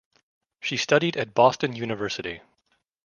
She studied at Boston University.